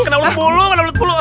kena ulat bulu kena ulat bulu